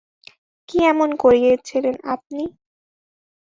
কি এমন করেছিলেন আপনি?